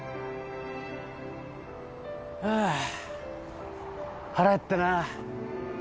あ腹減ったな。